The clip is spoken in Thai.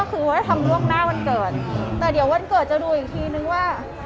ก็คือว่าทำล่วงหน้าวันเกิดแต่เดี๋ยววันเกิดจะดูอีกทีนึงว่า